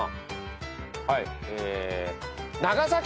はい。